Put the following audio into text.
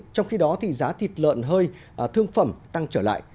trong khi đó giá thịt lợn hơi thương phẩm tăng trở lại